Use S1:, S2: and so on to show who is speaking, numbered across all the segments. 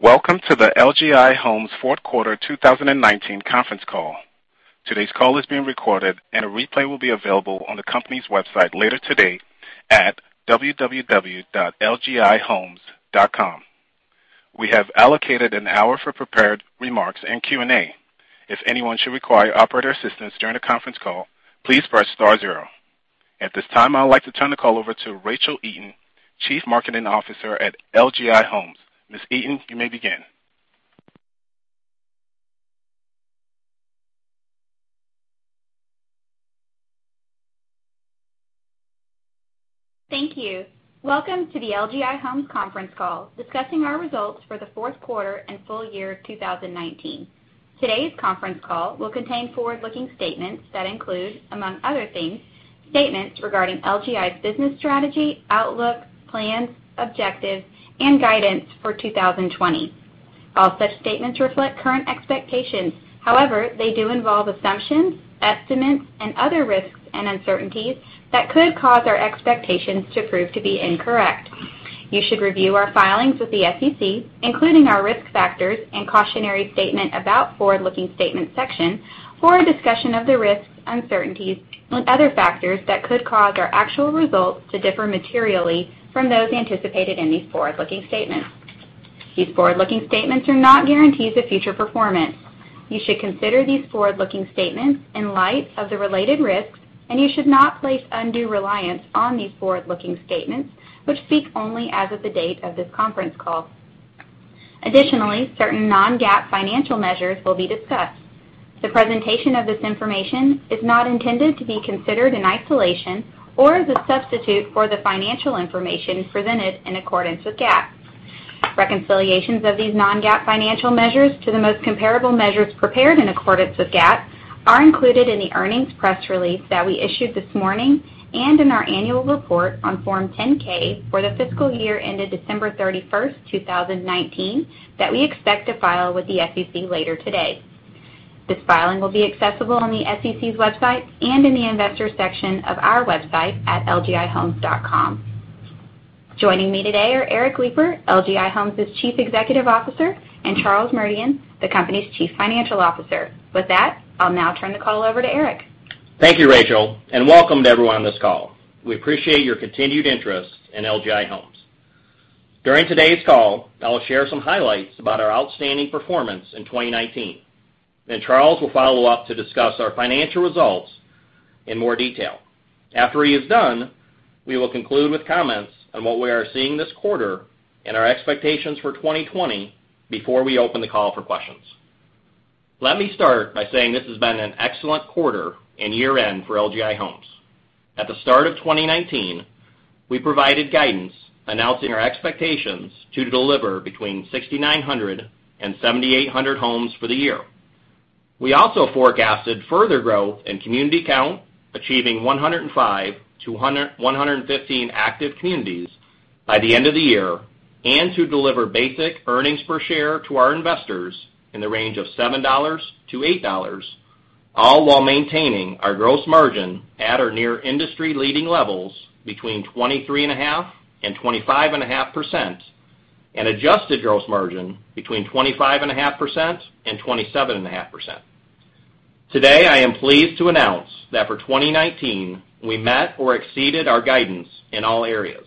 S1: Welcome to the LGI Homes Fourth Quarter 2019 Conference Call. Today's call is being recorded, and a replay will be available on the company's website later today at www.lgihomes.com. We have allocated an hour for prepared remarks and Q&A. If anyone should require operator assistance during the conference call, please press star zero. At this time, I would like to turn the call over to Rachel Eaton, Chief Marketing Officer at LGI Homes. Ms. Eaton, you may begin.
S2: Thank you. Welcome to the LGI Homes Conference Call discussing our results for the fourth quarter and full year 2019. Today's conference call will contain forward-looking statements that include, among other things, statements regarding LGI's business strategy, outlook, plans, objectives, and guidance for 2020. While such statements reflect current expectations, however, they do involve assumptions, estimates, and other risks and uncertainties that could cause our expectations to prove to be incorrect. You should review our filings with the SEC, including our Risk Factors and Cautionary Statement About Forward-Looking Statements section, for a discussion of the risks, uncertainties, and other factors that could cause our actual results to differ materially from those anticipated in these forward-looking statements. These forward-looking statements are not guarantees of future performance. You should consider these forward-looking statements in light of the related risks, and you should not place undue reliance on these forward-looking statements, which speak only as of the date of this conference call. Additionally, certain non-GAAP financial measures will be discussed. The presentation of this information is not intended to be considered in isolation or as a substitute for the financial information presented in accordance with GAAP. Reconciliations of these non-GAAP financial measures to the most comparable measures prepared in accordance with GAAP are included in the earnings press release that we issued this morning and in our annual report on Form 10-K for the fiscal year ended December 31st, 2019, that we expect to file with the SEC later today. This filing will be accessible on the SEC's website and in the investor section of our website at lgihomes.com. Joining me today are Eric Lipar, LGI Homes' Chief Executive Officer, and Charles Merdian, the company's Chief Financial Officer. With that, I'll now turn the call over to Eric.
S3: Thank you, Rachel, welcome to everyone on this call. We appreciate your continued interest in LGI Homes. During today's call, I will share some highlights about our outstanding performance in 2019, then Charles will follow up to discuss our financial results in more detail. After he is done, we will conclude with comments on what we are seeing this quarter and our expectations for 2020 before we open the call for questions. Let me start by saying this has been an excellent quarter and year-end for LGI Homes. At the start of 2019, we provided guidance announcing our expectations to deliver between 6,900 and 7,800 homes for the year. We also forecasted further growth in community count, achieving 105-115 active communities by the end of the year, and to deliver basic earnings per share to our investors in the range of $7-$8, all while maintaining our gross margin at or near industry-leading levels between 23.5% and 25.5%, and adjusted gross margin between 25.5% and 27.5%. Today, I am pleased to announce that for 2019, we met or exceeded our guidance in all areas.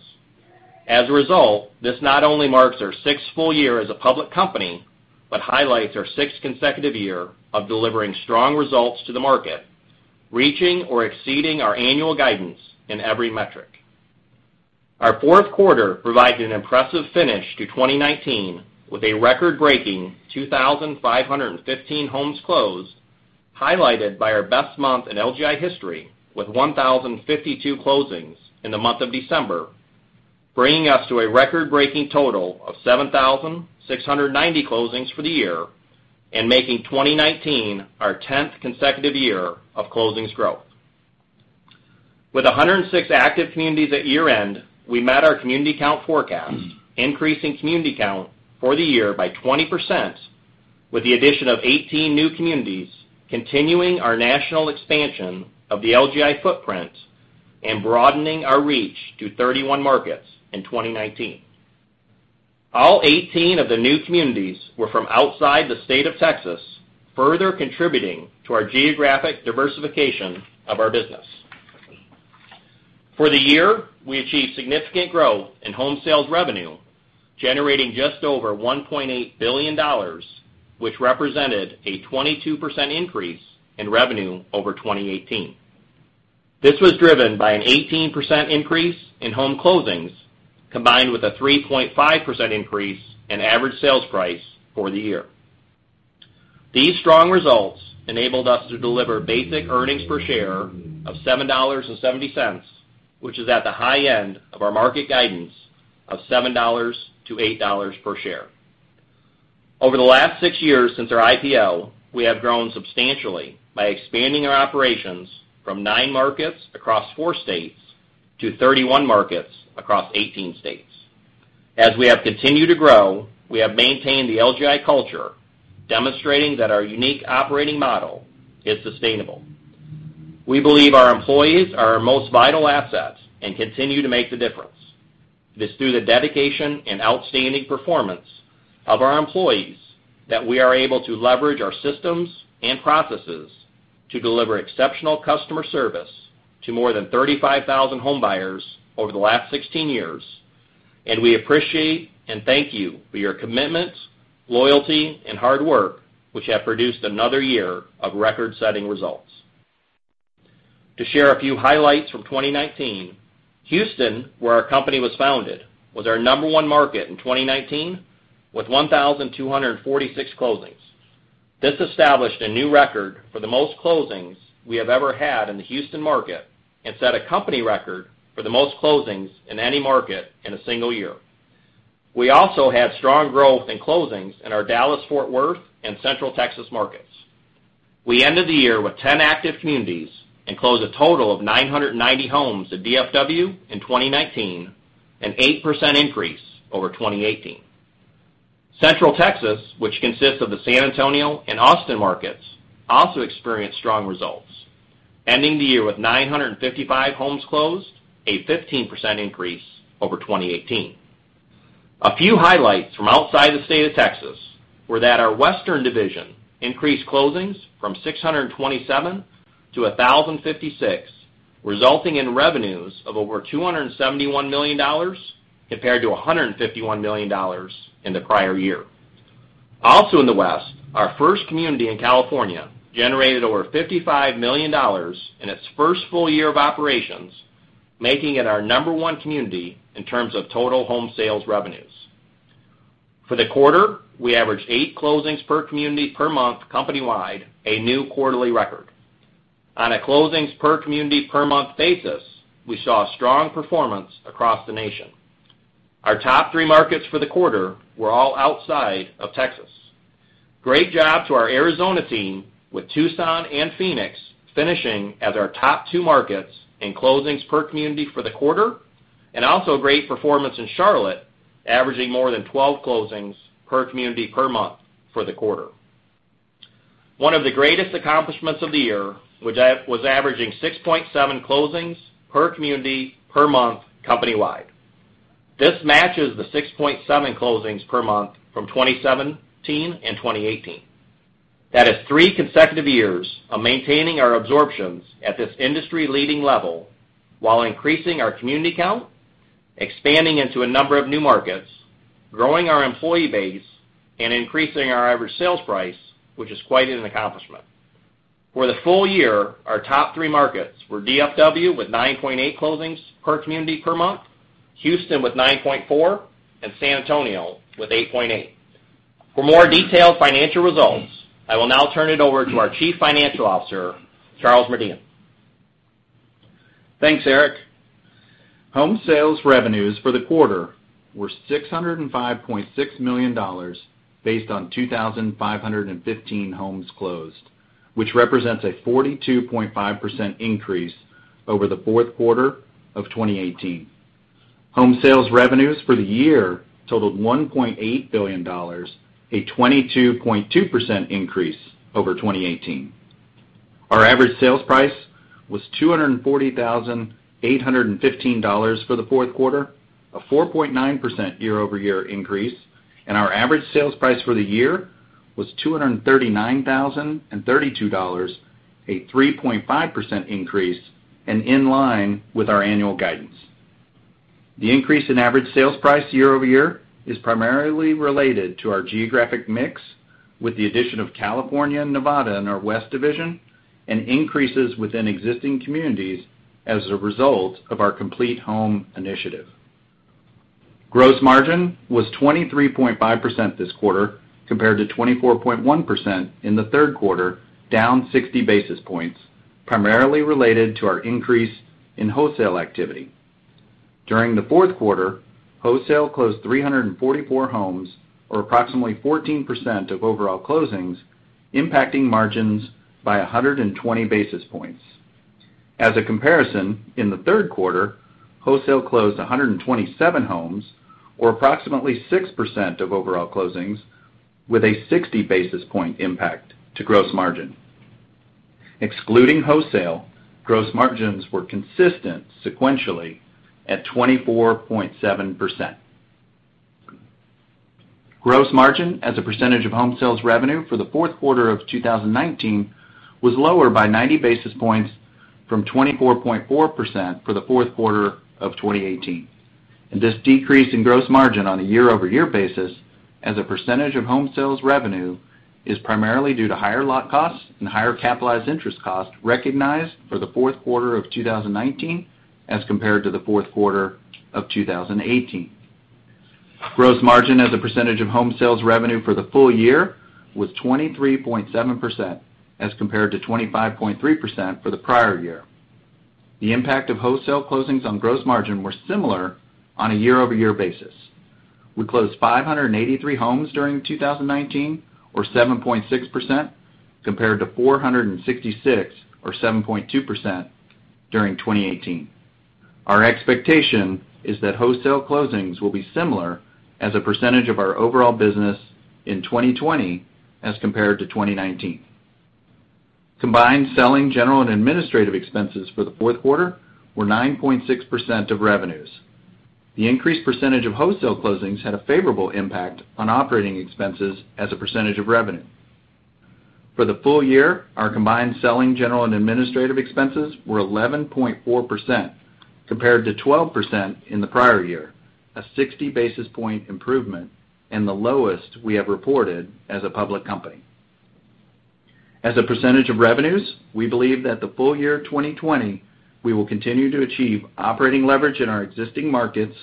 S3: This not only marks our sixth full year as a public company, but highlights our sixth consecutive year of delivering strong results to the market, reaching or exceeding our annual guidance in every metric. Our fourth quarter provided an impressive finish to 2019 with a record-breaking 2,515 homes closed, highlighted by our best month in LGI history, with 1,052 closings in the month of December, bringing us to a record-breaking total of 7,690 closings for the year and making 2019 our tenth consecutive year of closings growth. With 106 active communities at year-end, we met our community count forecast, increasing community count for the year by 20%, with the addition of 18 new communities, continuing our national expansion of the LGI footprint and broadening our reach to 31 markets in 2019. All 18 of the new communities were from outside the state of Texas, further contributing to our geographic diversification of our business. For the year, we achieved significant growth in home sales revenue, generating just over $1.8 billion, which represented a 22% increase in revenue over 2018. This was driven by an 18% increase in home closings, combined with a 3.5% increase in average sales price for the year. These strong results enabled us to deliver basic earnings per share of $7.70, which is at the high end of our market guidance of $7-$8 per share. Over the last six years since our IPO, we have grown substantially by expanding our operations from nine markets across four states to 31 markets across 18 states. As we have continued to grow, we have maintained the LGI culture, demonstrating that our unique operating model is sustainable. We believe our employees are our most vital assets and continue to make the difference. It is through the dedication and outstanding performance of our employees that we are able to leverage our systems and processes to deliver exceptional customer service to more than 35,000 homebuyers over the last 16 years, and we appreciate and thank you for your commitment, loyalty, and hard work, which have produced another year of record-setting results. To share a few highlights from 2019, Houston, where our company was founded, was our number 1 market in 2019 with 1,246 closings. This established a new record for the most closings we have ever had in the Houston market and set a company record for the most closings in any market in a single year. We also had strong growth in closings in our Dallas-Fort Worth and Central Texas markets. We ended the year with 10 active communities and closed a total of 990 homes in DFW in 2019, an 8% increase over 2018. Central Texas, which consists of the San Antonio and Austin markets, also experienced strong results, ending the year with 955 homes closed, a 15% increase over 2018. A few highlights from outside the state of Texas were that our Western division increased closings from 627 to 1,056, resulting in revenues of over $271 million compared to $151 million in the prior year. Also in the West, our first community in California generated over $55 million in its first full year of operations, making it our number one community in terms of total home sales revenues. For the quarter, we averaged eight closings per community per month company-wide, a new quarterly record. On a closings per community per month basis, we saw strong performance across the nation. Our top three markets for the quarter were all outside of Texas. Great job to our Arizona team with Tucson and Phoenix finishing as our top two markets in closings per community for the quarter, and also great performance in Charlotte, averaging more than 12 closings per community per month for the quarter. One of the greatest accomplishments of the year was averaging 6.7 closings per community per month company-wide. This matches the 6.7 closings per month from 2017 and 2018. That is three consecutive years of maintaining our absorptions at this industry-leading level while increasing our community count, expanding into a number of new markets, growing our employee base, and increasing our average sales price, which is quite an accomplishment. For the full year, our top three markets were DFW with 9.8 closings per community per month, Houston with 9.4, and San Antonio with 8.8. For more detailed financial results, I will now turn it over to our Chief Financial Officer, Charles Merdian.
S4: Thanks, Eric. Home sales revenues for the quarter were $605.6 million based on 2,515 homes closed, which represents a 42.5% increase over the fourth quarter of 2018. Home sales revenues for the year totaled $1.8 billion, a 22.2% increase over 2018. Our average sales price was $240,815 for the fourth quarter, a 4.9% year-over-year increase, and our average sales price for the year was $239,032, a 3.5% increase and in line with our annual guidance. The increase in average sales price year-over-year is primarily related to our geographic mix, with the addition of California and Nevada in our West division and increases within existing communities as a result of our CompleteHome initiative. Gross margin was 23.5% this quarter compared to 24.1% in the third quarter, down 60 basis points, primarily related to our increase in wholesale activity. During the fourth quarter, wholesale closed 344 homes or approximately 14% of overall closings, impacting margins by 120 basis points. As a comparison, in the third quarter, wholesale closed 127 homes or approximately 6% of overall closings with a 60 basis point impact to gross margin. Excluding wholesale, gross margins were consistent sequentially at 24.7%. Gross margin as a percentage of home sales revenue for the fourth quarter of 2019 was lower by 90 basis points from 24.4% for the fourth quarter of 2018. This decrease in gross margin on a year-over-year basis as a percentage of home sales revenue is primarily due to higher lot costs and higher capitalized interest costs recognized for the fourth quarter of 2019 as compared to the fourth quarter of 2018. Gross margin as a percentage of home sales revenue for the full year was 23.7% as compared to 25.3% for the prior year. The impact of wholesale closings on gross margin were similar on a year-over-year basis. We closed 583 homes during 2019 or 7.6%, compared to 466 or 7.2% during 2018. Our expectation is that wholesale closings will be similar as a percentage of our overall business in 2020 as compared to 2019. Combined selling general and administrative expenses for the fourth quarter were 9.6% of revenues. The increased percentage of wholesale closings had a favorable impact on operating expenses as a percentage of revenue. For the full year, our combined selling general and administrative expenses were 11.4% compared to 12% in the prior year, a 60 basis point improvement, and the lowest we have reported as a public company. As a percentage of revenues, we believe that the full year 2020, we will continue to achieve operating leverage in our existing markets,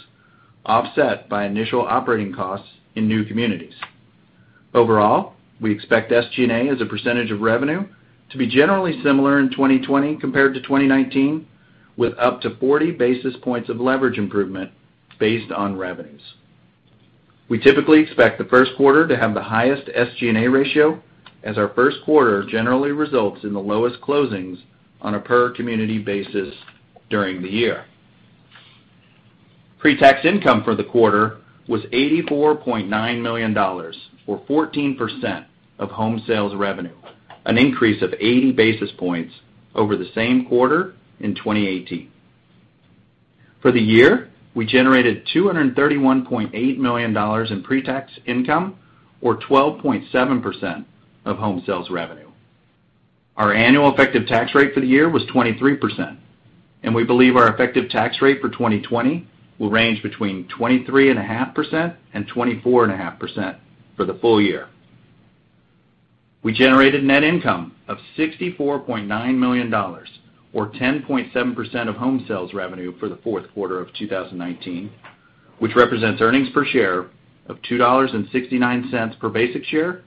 S4: offset by initial operating costs in new communities. We expect SG&A as a percentage of revenue to be generally similar in 2020 compared to 2019, with up to 40 basis points of leverage improvement based on revenues. We typically expect the first quarter to have the highest SG&A ratio, as our first quarter generally results in the lowest closings on a per community basis during the year. Pre-tax income for the quarter was $84.9 million, or 14% of home sales revenue, an increase of 80 basis points over the same quarter in 2018. We generated $231.8 million in pre-tax income, or 12.7% of home sales revenue. Our annual effective tax rate for the year was 23%, and we believe our effective tax rate for 2020 will range between 23.5% and 24.5% for the full year. We generated net income of $64.9 million, or 10.7% of home sales revenue for the fourth quarter of 2019, which represents earnings per share of $2.69 per basic share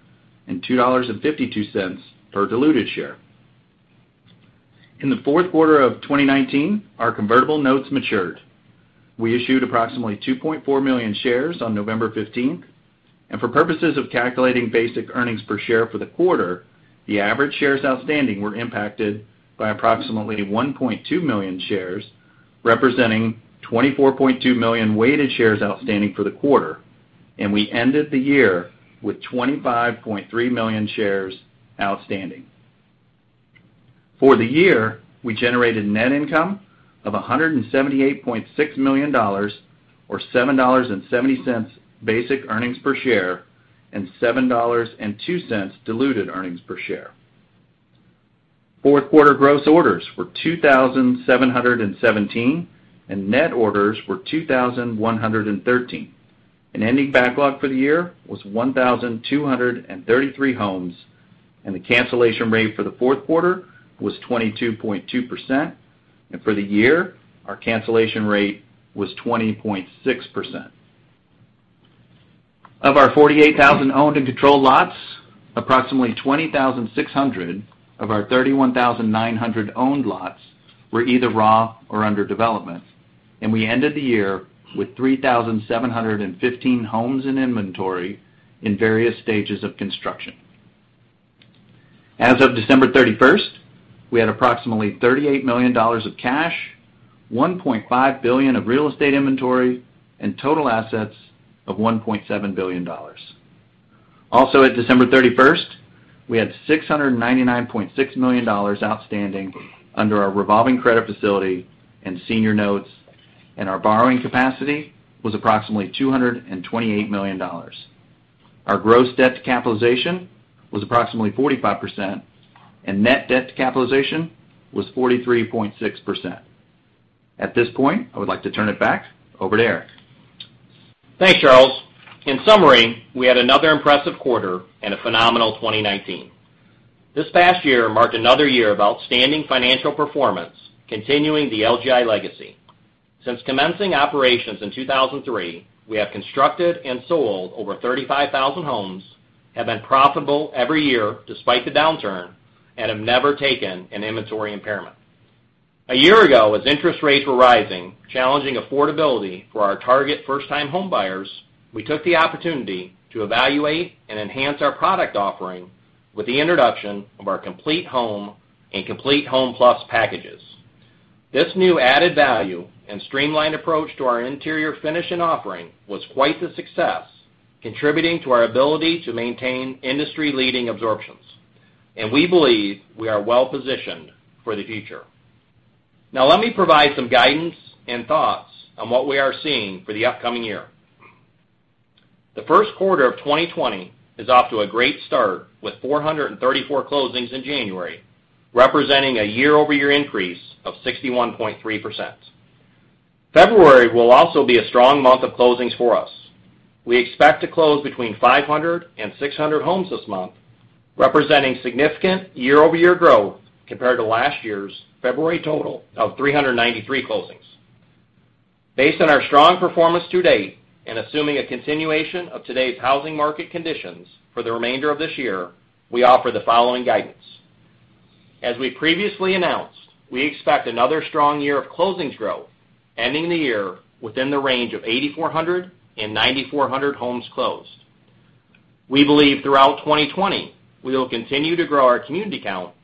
S4: and $2.52 per diluted share. In the fourth quarter of 2019, our convertible notes matured. We issued approximately 2.4 million shares on November 15th, and for purposes of calculating basic earnings per share for the quarter, the average shares outstanding were impacted by approximately 1.2 million shares, representing 24.2 million weighted shares outstanding for the quarter, and we ended the year with 25.3 million shares outstanding. For the year, we generated net income of $178.6 million, or $7.70 basic earnings per share, and $7.02 diluted earnings per share. Fourth quarter gross orders were 2,717, and net orders were 2,113, and ending backlog for the year was 1,233 homes, and the cancellation rate for the fourth quarter was 22.2%, and for the year, our cancellation rate was 20.6%. Of our 48,000 owned and controlled lots, approximately 20,600 of our 31,900 owned lots were either raw or under development, and we ended the year with 3,715 homes in inventory in various stages of construction. As of December 31st, we had approximately $38 million of cash, $1.5 billion of real estate inventory, and total assets of $1.7 billion. Also at December 31st, we had $699.6 million outstanding under our revolving credit facility and senior notes, and our borrowing capacity was approximately $228 million. Our gross debt to capitalization was approximately 45%, and net debt to capitalization was 43.6%. At this point, I would like to turn it back over to Eric.
S3: Thanks, Charles. In summary, we had another impressive quarter and a phenomenal 2019. This past year marked another year of outstanding financial performance, continuing the LGI legacy. Since commencing operations in 2003, we have constructed and sold over 35,000 homes, have been profitable every year despite the downturn, and have never taken an inventory impairment. A year ago, as interest rates were rising, challenging affordability for our target first-time homebuyers, we took the opportunity to evaluate and enhance our product offering with the introduction of our CompleteHome and CompleteHome Plus packages. This new added value and streamlined approach to our interior finishing offering was quite the success, contributing to our ability to maintain industry-leading absorptions, and we believe we are well-positioned for the future. Let me provide some guidance and thoughts on what we are seeing for the upcoming year. The first quarter of 2020 is off to a great start with 434 closings in January, representing a year-over-year increase of 61.3%. February will also be a strong month of closings for us. We expect to close between 500 and 600 homes this month, representing significant year-over-year growth compared to last year's February total of 393 closings. Based on our strong performance to date, and assuming a continuation of today's housing market conditions for the remainder of this year, we offer the following guidance. As we previously announced, we expect another strong year of closings growth, ending the year within the range of 8,400 and 9,400 homes closed. We believe throughout 2020, we will continue to grow our community count,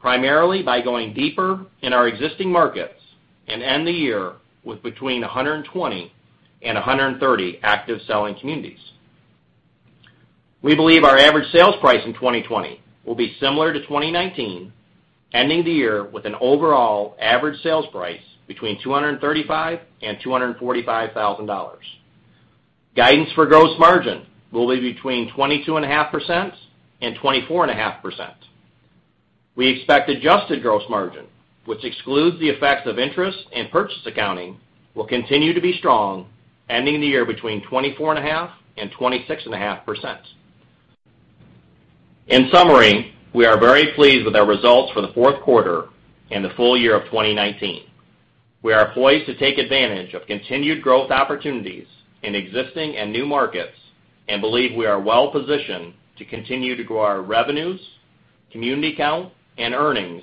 S3: primarily by going deeper in our existing markets and end the year with between 120 and 130 active selling communities. We believe our average sales price in 2020 will be similar to 2019, ending the year with an overall average sales price between $235,000 and $245,000. Guidance for gross margin will be between 22.5% and 24.5%. We expect adjusted gross margin, which excludes the effects of interest and purchase accounting, will continue to be strong, ending the year between 24.5% and 26.5%. In summary, we are very pleased with our results for the fourth quarter and the full year of 2019. We are poised to take advantage of continued growth opportunities in existing and new markets and believe we are well-positioned to continue to grow our revenues, community count, and earnings,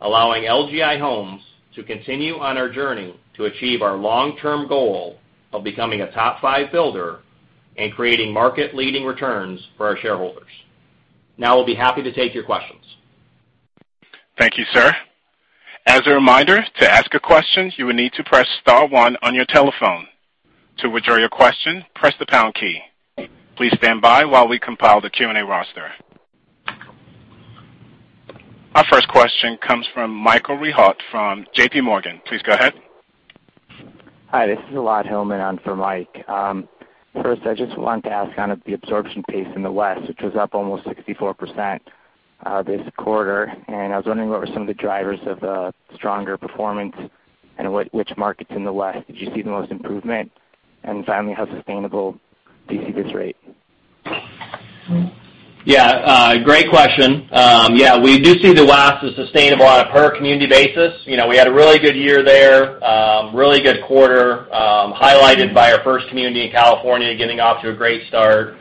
S3: allowing LGI Homes to continue on our journey to achieve our long-term goal of becoming a top five builder and creating market-leading returns for our shareholders. Now we'll be happy to take your questions.
S1: Thank you, sir. Our first question comes from Michael Rehaut from JP Morgan. Please go ahead.
S5: Hi, this is Elad Hillman on for Mike. First, I just wanted to ask on the absorption pace in the West, which was up almost 64% this quarter, and I was wondering what were some of the drivers of the stronger performance, and which markets in the West did you see the most improvement? Finally, how sustainable do you see this rate?
S3: Great question. We do see the West as sustainable on a per community basis. We had a really good year there, really good quarter, highlighted by our first community in California getting off to a great start.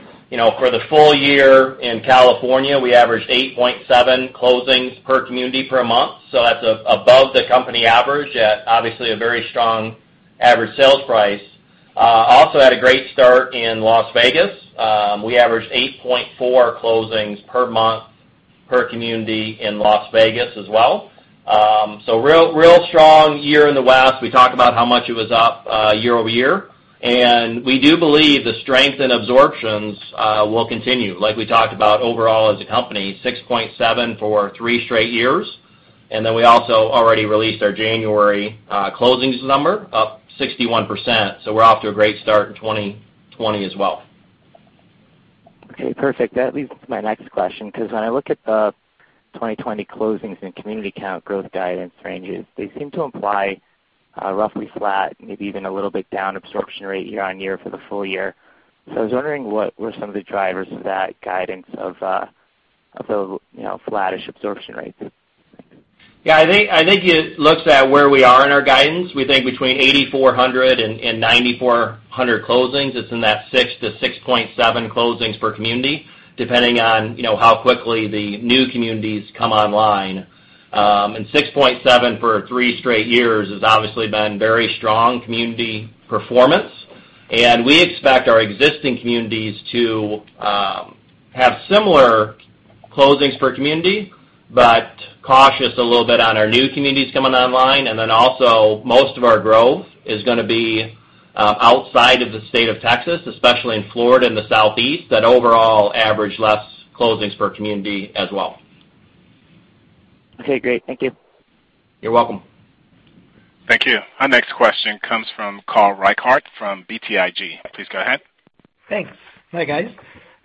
S3: For the full year in California, we averaged 8.7 closings per community per month, that's above the company average at obviously a very strong average sales price. Also had a great start in Las Vegas. We averaged 8.4 closings per month per community in Las Vegas as well. Real strong year in the West. We talked about how much it was up year-over-year, we do believe the strength in absorptions will continue. Like we talked about overall as a company, 6.7% for three straight years. We also already released our January closings number, up 61%. We're off to a great start in 2020 as well.
S5: Okay, perfect. That leads to my next question, because when I look at the 2020 closings and community count growth guidance ranges, they seem to imply a roughly flat, maybe even a little bit down absorption rate year-over-year for the full year. I was wondering what were some of the drivers of that guidance of the flattish absorption rate?
S3: Yeah, I think it looks at where we are in our guidance. We think between 8,400 and 9,400 closings. It's in that 6 - 6.7 closings per community, depending on how quickly the new communities come online. 6.7 for three straight years has obviously been very strong community performance, and we expect our existing communities to have similar closings per community, but cautious a little bit on our new communities coming online. Also, most of our growth is going to be outside of the state of Texas, especially in Florida and the Southeast, that overall average less closings per community as well.
S5: Okay, great. Thank you.
S3: You're welcome.
S1: Thank you. Our next question comes from Carl Reichardt from BTIG. Please go ahead.
S6: Thanks. Hi, guys.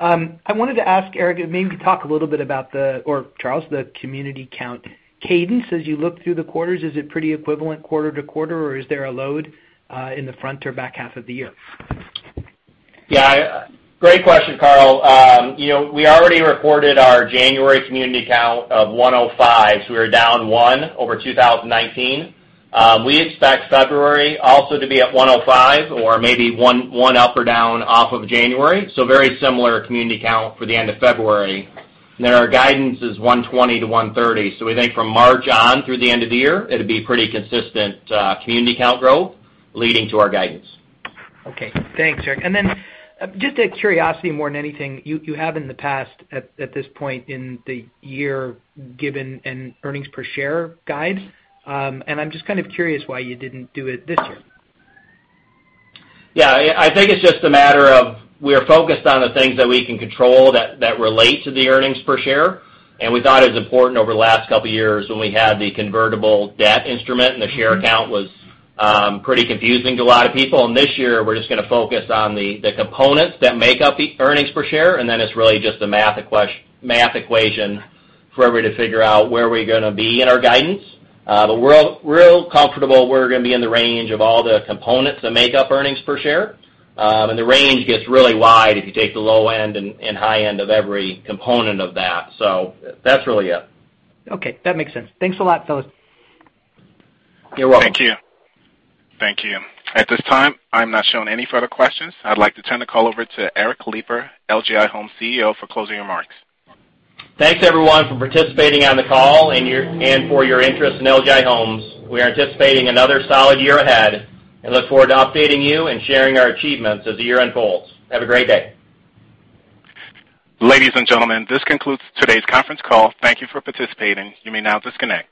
S6: I wanted to ask, Eric, maybe talk a little bit about the, or Charles, the community count cadence as you look through the quarters. Is it pretty equivalent quarter to quarter, or is there a load in the front or back half of the year?
S3: Great question, Carl. We already reported our January community count of 105, so we were down one over 2019. We expect February also to be at 105, or maybe one up or down off of January, very similar community count for the end of February. Our guidance is 120 - 130. We think from March on through the end of the year, it'll be pretty consistent community count growth leading to our guidance.
S6: Okay. Thanks, Eric. Just out of curiosity more than anything, you have in the past at this point in the year given an earnings per share guide, and I'm just curious why you didn't do it this year.
S3: Yeah, I think it's just a matter of we're focused on the things that we can control that relate to the earnings per share, and we thought it was important over the last couple of years when we had the convertible debt instrument and the share count was pretty confusing to a lot of people, and this year we're just going to focus on the components that make up the earnings per share, and then it's really just a math equation for everybody to figure out where we're going to be in our guidance. We're real comfortable we're going to be in the range of all the components that make up earnings per share. The range gets really wide if you take the low end and high end of every component of that. That's really it.
S6: Okay. That makes sense. Thanks a lot, fellas.
S3: You're welcome.
S1: Thank you. Thank you. At this time, I'm not showing any further questions. I'd like to turn the call over to Eric Lipar, LGI Homes CEO, for closing remarks.
S3: Thanks, everyone, for participating on the call and for your interest in LGI Homes. We are anticipating another solid year ahead and look forward to updating you and sharing our achievements as the year unfolds. Have a great day.
S1: Ladies and gentlemen, this concludes today's conference call. Thank you for participating. You may now disconnect.